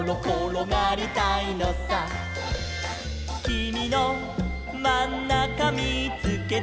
「きみのまんなかみーつけた」